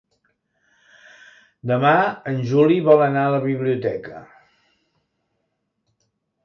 Demà en Juli vol anar a la biblioteca.